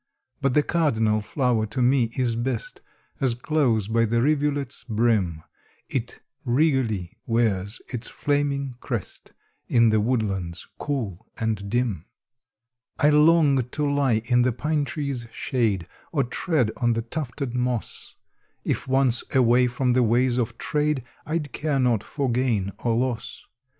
But the cardinal flower to me is best As close by the rivulet's brim It regally wears its flaming crest, In the woodlands cool and dim. I long to lie in the pine tree's shade, Or tread on the tufted moss; If once away from the ways of trade, I'd care not for gain or loss.